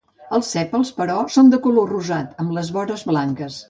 Els sèpals, però, són de color rosat amb les vores blanques.